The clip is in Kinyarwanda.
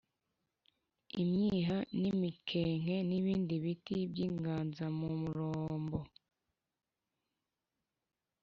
imyiha n’imikenke n’ibindi biti by’inganzamarumbo.